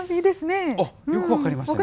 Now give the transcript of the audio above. よく分かりましたね。